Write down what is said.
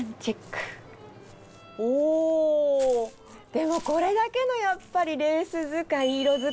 でもこれだけのやっぱりレース使い色使い。